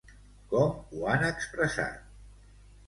Com ho han expressat?